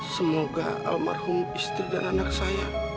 semoga almarhum istri dan anak saya